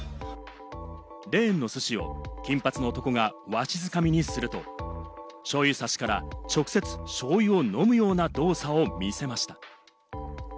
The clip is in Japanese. レーンのすしを金髪の男がわしづかみにすると、しょうゆ差しから直接、しょうゆを飲むような動作を見せました。